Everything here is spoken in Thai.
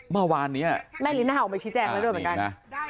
เมื่อวานนี้แม่ลิน่าออกมาชี้แจงแล้วด้วยเหมือนกัน